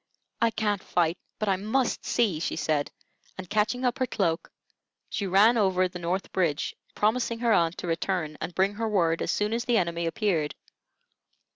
"I can't fight, but I must see," she said; and catching up her cloak, she ran over the North Bridge, promising her aunt to return and bring her word as soon as the enemy appeared.